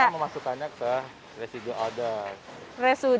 kita cuma mau masukkannya ke residu others